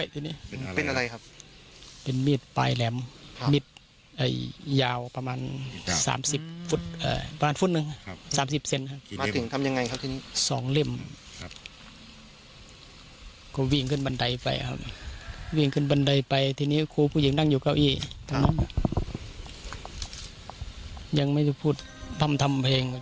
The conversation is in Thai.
ที่นี่คุณผู้หญิงนั่งอยู่เก้าอี้ยังไม่ได้พูดทำเพลง